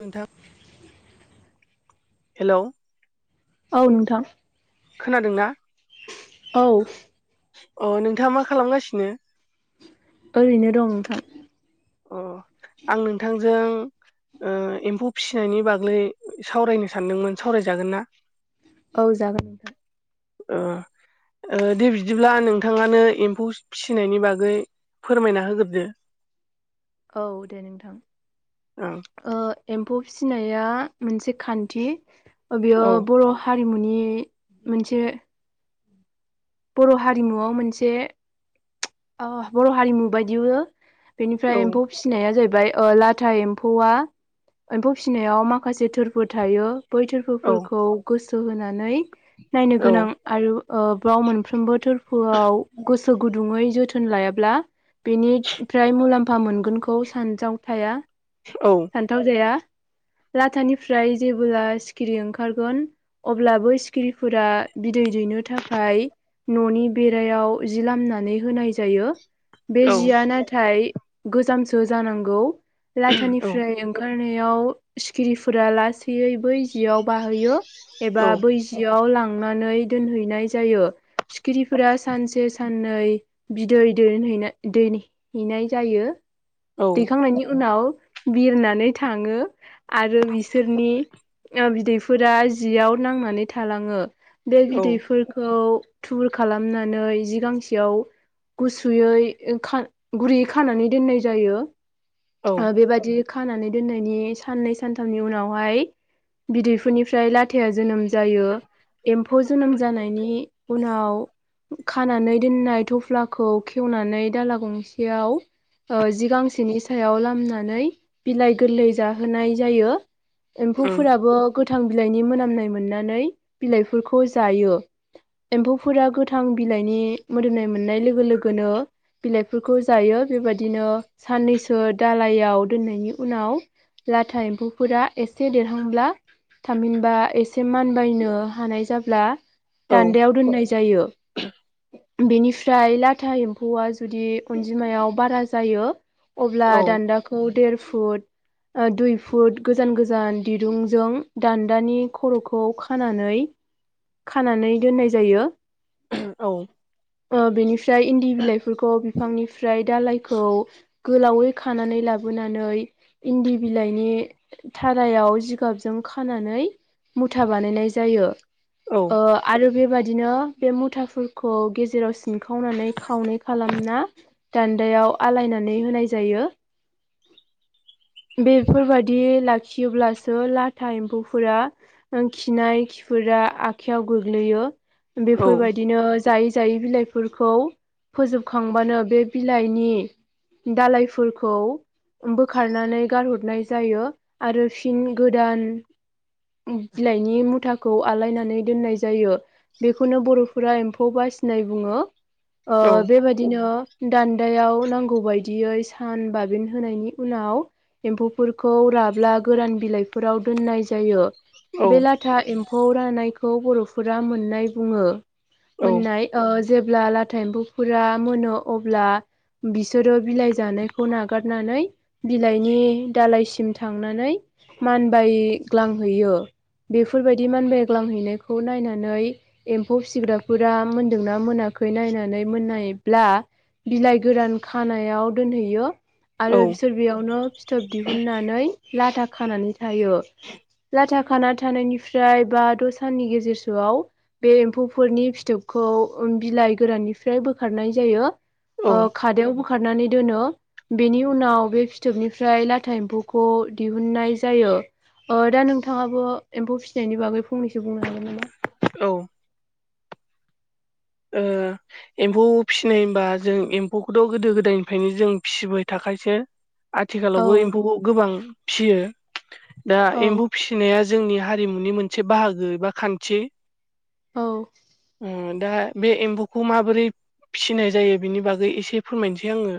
नोंथां हेलौ औ नोंथां खोनादोंना औ अ नोंथाङा मा खालामगासिनो ओरैनो दं नोंथां अ आं नोंथांजों ओ एम्फौ फिसिनायनि बागै सावरायनो सानदोंमोन सावरायजागोन ना औ जागोन नोंथां ओ ओ दे बिदिब्ला नोंथाङानो एम्फौ फिसिनायनि बागै फोरमायना होग्रोदो औ दे नोंथां ओं एम्फौ फिसिनाया मोनसे खान्थि बेयो ओं औ बर' हारिमुनि मोनसे बर' हारिमुआव मोनसे ओ बर' हारिमु बायदिबो बेनिफ्राय एम्फौ फिसिनाया जाहैबाय ओ लाथा एम्फौआ एम्फौ फिसिनायाव माखासे थोरफो थायो बैथोरफो औ फोरखौ गोसो होनानै नायनो गोनां आरो ब्राव मोन सानफ्रोमबो थोरफोआव गोसो गुदुङै जोथोन लायाब्ला बेनिफ्राय मुलाम्फा मोनगोनखौ सानजाव थाया औ सान्थाव जाया लाथानिफ्राय जेबोला सिखिरि ओंखारगोन अब्ला बै सिखिरिफोरा बिदै दैनो थाखाय न'नि बेरायाव जि लामनानै होनाय जायो बे औ जिया नाथाय गोजामसो जानांगौ लाथानि ओंखारनायाव सिखिरिफोरा लासैैयै बै जियाव बाहोयो औ एबा बै जियाव लांनानै दोनहैनाय जायो सिखिरिफोरा सानसे साननै बिदै दोनहैनाय दैनि हैनाय जायो दैखांनायनि उनाव बिरनानै थाङो आरो बिसोरनि ओ बिदैफोरा जियाव नांनानै थालाङो बे औ बिदैफोरखौ थुबुर खालामनानै जि गांसेयाव गुसुयै गुरैयै खानानै दोननाय जायो औ ओ बेबाय दि खानानै दोननायनि साननै सानथामनि उनावहाय बिदैफोरनिफ्राय लाथाया जोनोम जायो एम्फौ जोनोम जानायनि उनाव खानानै दोननाय थफ्लाखौ खेवनानै दाला गंसेयाव ओ जि गांसेनि सायाव लामनानै बिलाइ गोरलै जाहोनाय जायो एम्फौफोराबो गोथां बिलाइनि मोनामनाय मोननानै बिलाइफोरखौ जायो। एम्फौफोरा गोथां बिलाइनि मोदोमनाय मोननाय लोगो लोगोनो बिलाइफोरखौ जायो बेबायदिनो साननैसो दालायाव दोननायनि उनाव लाथा एम्फौफोरा एसे देरहांब्ला थामहिनबा एसे मानबायनो हानाय जाब्ला ओम दान्दायाव दोननाय जायो बेनिफ्राय लाथा एम्फौआ जुदि अनजिमायाव बारा जायो अब्ला औ दान्दाखौ देर फुट आ दुइ फुट गोजान गोजान दिरुंजों दान्दानि खर'खौ खानानै खानानै दोननाय जायो। औ ओ बेनिफ्राय इन्दि बिलाइफोरखौ बिफांनिफ्राय दालाइखौ गोलावै खानानै लाबो बोनानै इन्दि बिलाइनि थारायाव जिगाबजों खानानै मुथा बानायनाय जायो। औ ओ आरो बेबादिनो बे मुथाफोरखौ गेजेराव सिनखावनानै खावनै खालामना दान्दायाव आलायनानै होनाय जायो। बेफोरबायदि लाखियोब्लासो लाथा एम्फौफोरा ओ खिनाय खिफोरा आखाइयाव गोग्लैयो बेफोरबायदिनो जायै-जायै बिलाइफोरखौ फोजोबखांबानो बे बिलाइनि दालायफोरखौ ओ बोखारनानै गारहरनाय जायो आरो फिन गोदान उम बिलाइनि मुथाखौ आलायनानै दोननाय जायो। बेखौनो बर'फोरा एम्फौ बासिनाय बुङो। ओ बेबायदिनो दान्दायाव नांगौ बायदियै सान बाबिन होनायनि उनाव एम्फौफोरखौ राब्ला गोरान बिलाइफोराव दोननाय जायो। औ बे लाथा एम्फौ रानायखौ बर'फोरा मोननाय बुङो मोननाय ओ जेब्ला लाथा एम्फौफोरा मोनो अब्ला बिसोरो बिलाइ जानायखौ नागा गारनानै बिलाइनि दालइसिम थांनानै मानबायग्लांहैयो बेफोरबायदि मानबायग्लांहैनायखौ नायनानै एम्फौ फिसिग्राफोरा मोनदोंना मोनाखै नायनानै मोननायब्ला बिलाइ गोरान खानायाव दोनहैयो आरो बिसोर बेयावनो फिथोब दिहुननानै लाथा खानानै थायो। लाथा खाना थानायनिफ्राय बा द' साननि गेजेरसोआव बे एम्फौफोरनि फिथोबखौ बिलाइ गोराननिफ्राय बोखारनाय जायो। औ ओ खादायाव बोखारनानै दोनो। बेनि उनाव बे फिथोबनिफ्राय लाथा एम्फौखौ दिहुननाय जायो। ओ दा नोंथाङाबो एम्फौ फिसिनायनि बागै फंनैसो बुंनो हागोन नामा? औ। ओ एम्फौ फिसिनाय होनबा जों एम्फौखौथ' गोदो गोदायनिफ्रायनो जों फिसिबाय थाखासो। औ आथिखालावबो एम्फौखौ गोबां फिसियो दा औ एम्फौ फिसिनाया जोंनि हारिमुनि मोनसे बाहागो एबा खान्थि। औ। ओ दा बे एम्फौखौ माबोरै फिसिनाय जायो बेनि बागै एसे फोरमायनोसै आङो।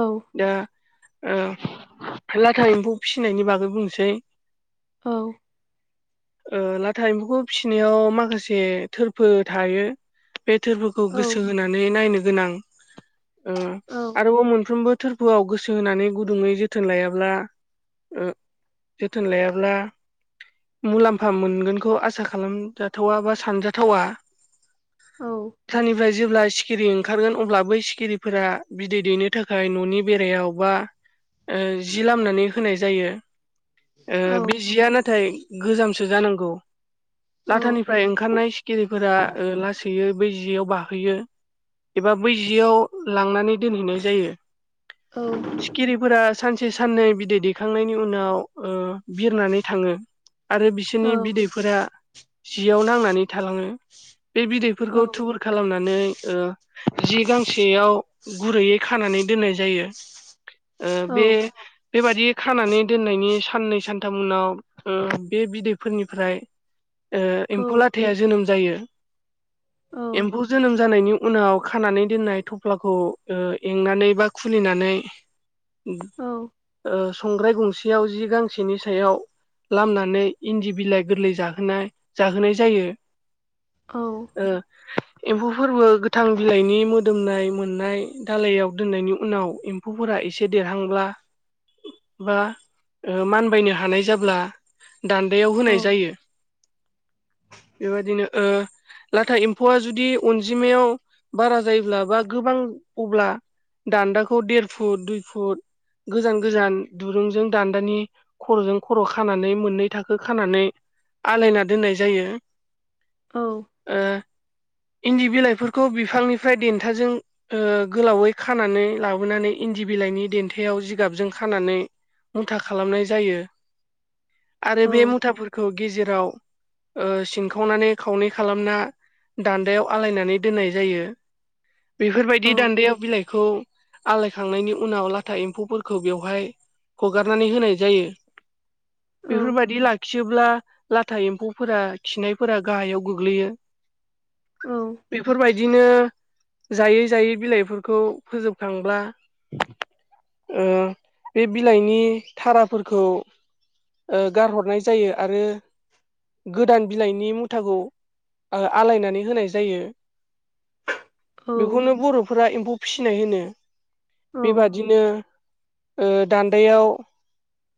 औ दा ओ लाथा एम्फौ फिनायनि बागै बुंसै। औ। ओ लाथा एम्फौखौ फिसिनायाव माखासे थोरफो थायो। बे थोरफोरखौ औ गोसो होनानै नायनो गोनां ओ औ आरोबाव मोनफ्रोमबो थोरफोआव गोसो होनानै गुदुङै जोथोन लायाब्ला ओ जोथोन लायाब्ला मुलाम्फा मोनगोनखौ आसा खालामजाथावा बा सानजाथावा। औ थानिबाय जेब्ला सिखिरि ओंखारगोन अब्ला बै सिखिरिफोरा बिदै दैनो थाखाय न'नि बेरायाव बा ओ जि लामनानै होनाय जायो ओ औ बे जिया नाथाय गोजामसो जानांगौ औ लाथानिफ्राय ओंखारनाय सिखिरिफोरा ओ लासै यो बै जेयाव बाहोयो। एबा बै जियाव लांनानै दोनहैनाय जायो। औ। फोरा सानसे साननै बिदै दैखांनायनि उनाव ओ बिरनानै थाङो आरो बिसोरनि बिदैफोरा जियाव नांनानै थालाङो बे बिदैफोरखौ थुबुर खालामनानै ओ जि गांसेयाव गुरैयै खानानै दोननाय जायो। ओ औ बे बेबादि खानानै दोननायनि साननै सानथाम उनाव ओ बे बिदैफोरनिफ्राय एम्फौ लाथाया जोनोम जायो। औ एम्फौ जोनोम जानायनि उनाव खानानै दोननाय थफ्लाखौ एंनानै बा खुलिनानै ओ संग्राय गंसेयाव जि गांसेनि सायाव लामनानै इन्दि बिलाइ गोरलै जाहोनाय जाहोनाय जायो। औ ओ एम्फौ फोरबो गोथां बिलाइनि मोदोमनाय मोननाय दालायाव दोननायनि उनाव एम एम्फौफोरा एसे देरहांब्ला बा ओ मानबायनो हानाय जाब्ला दान्दायाव औ होनाय जायो बेबदिनो ओ लाथा एम्फौआ जुदि अनजिमायाव बारा जायोब्ला बा गोबां अब्ला दान्दाखौ देर फुट दुइ फुट गोजान-गोजान दुरुंजों दान्दानि खर'जों खर' खानानै मोननै थाखो खानानै आलायना दोननाय जायो। औ। इन्दि बिलाइफोरखौ बिफांनिफ्राय देन्थाजों ओ गोलावै खानानै लाबोनानै इन्दि बिलाइनि देन्थायाव जिगाबजों खानानै मुथा खालामनाय जायो। औ आरो बे मुथाफोरखौ गेजेराव ओ सिंखावनानै खावनै खालामना दान्दायाव आलायनानै दोननाय जायो बेफोरबायदि दान्दायाव बिलाइखौ आलायखांनायनि उनाव लाथा एम्फौफोरखौ बेवहाय हगारनानै होनाय जायो। बेफोरबायदि लाखियोब्ला लाथा एम्फौफोरा खिनायफोरा गाहायाव गोग्लैयो बेफोरबायदिनो जायै जायै बिलाइफोरखौ फोजोबखांब्ला बे बिलाइनि थाराफोरखौ गारहरनाय जायो आरो गोदान बिलाइनि मुथाखौ आलायनानै होनाय जायो बेखौनो बर' फोरा एम्फौ फिसिनाय होनो। बेबादिनो ओ दान्दायाव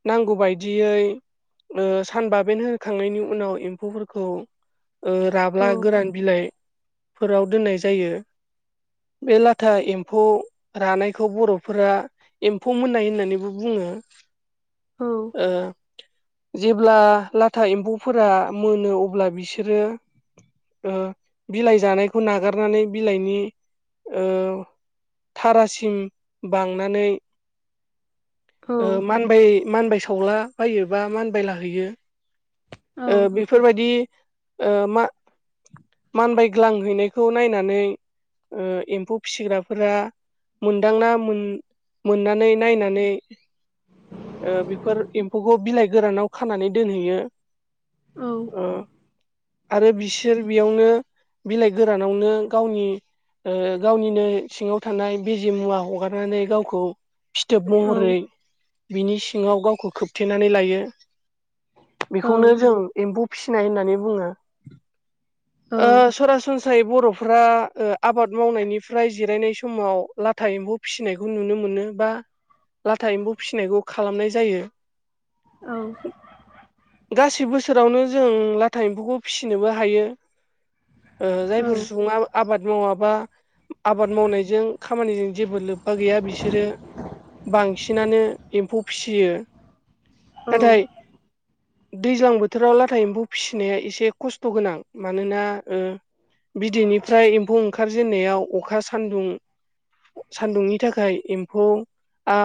नांगौ बायदियै सानबाबेन होखांनायनि उनाव एम्फौफोरखौ राब्ला गोरान बिलाइफोराव दोननाय जायो। बे लाथा एम्फौ रानायखौ बर'फोरा एम्फौ मोननाय होननानैबो बुङो। जेब्ला लाथा एम्फौफोरा मोनो अब्ला बिसोर सोरो ओ बिलाइ जानायखौ नागारनानै बिलाइनि ओ थारासिम बांनानै ओ मानबाय मानबाय सावला बायो बा मानबायलाहैयो ओ बेफोरबायदि ओ मा-मानबायग्लांहैनायखौ नायनानै ओ एम्फौ फिसिग्राफोरा मोनदांना मोन-मोननानै नायनानै ओ बेफोर एम्फौखौ बिलाइ गोरानाव खानानै दोनहैयो। औ। ओ। आरो बिसोर बियावनो बिलाइ गोरानावनो गावनि ओ गावनिनो सिङाव थानाय बिजे मुवा हगारनानै गावखौ फिथोब महरै बिनि सिङाव गावखौ खोबथेनानै लायो। बेखौनो जों एम्फौ फिसिनाय होननानै बुङो। औ। ओ सरासनस्रायै बर'फ्रा आबाद मावनायनिफ्राय जिरायनाय समाव लाथा एम्फौ फिसिनायखौ नुनो मोनो बा लाथा एम्फौ फिसिनायखौ खालामनाय जायो। औ गासै बोसोरावनो जों लाथा एम्फौखौ फिसिनोबो हायो। ओ जायफोर सुबुङा आबाद मावाबा आबाद मावनायजों खामानिजों जेबो लोब्बा गैया बिसोरो बांसिनानो एम्फौ फिसियो नाथाय दैज्लां बोथोराव लाथा एम्फौ फिसिनाया एसे खस्थ' गोनां। मानोना ओ बिदैनिफ्राय एम्फौ ओंखारजेननायाव अखा सान्दुं सान्दुंनि थाखाय एम्फौआ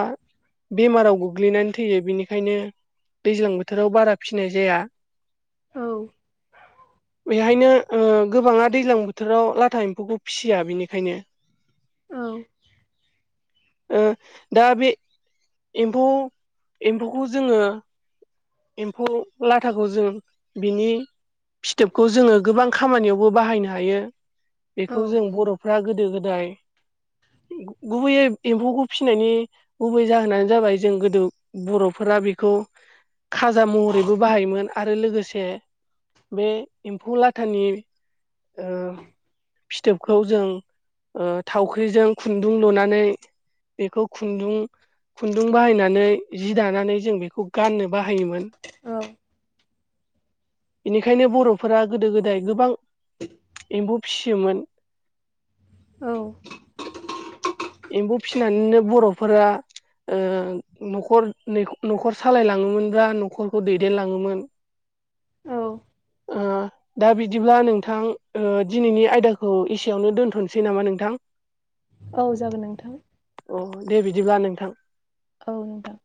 बेमाराव गोग्लैनानै थैयो। बेनिखायनो दैज्लां बोथोराव बारा फिनाय जाया। औ। बेहायनो ओ गोबाङा दैज्लां बोथोराव लाथा एम्फौखौ फिसिया बेनिखायनो। औ ओ दा बे एम्फौ एम्फौखौ जोङो एम्फौ लाथाखौ जों बिनि फिथोबखौ जोङो गोबां खामानियावबो बाहायनो हायो। बेखौ औ जों बर'फ्रा गोदो गोदाय गुबैयै एम्फौखौ फिनायनि गुबै जाहोनानो जाबाय जों गोदो बर'फोरा बेखौ खाजा महरैबो बाहायोमोन आरो लोगोसे बे एम्फौ लाथानि ओ फिथोबखौ जों ओ थावख्रिजों खुन्दुं लुनानै बेखौ खुन्दुं खुन्दुं बाहायनानै जि दानानै जों बेखौ गाननो बाहायोमोन। औ। बेनिखायनो बर'फोरा गोदो गोदाय गोबां एम्फौ फिसियोमोन। औ। एम्फौ फिसिनानैनो बर'फोरा ओ न'खर न'खर सालायलाङोमोनबा न'खरखौ दैदेनलाङोमोन। औ ओ दा बिदिब्ला नोंथां ओ दिनैनि आयदाखौ एसेयावनो दोनथ'नोसै नामा नोंथां? औ जागोन नोंथां। अ दे बिदिब्ला नोंथां। औ नोंथां।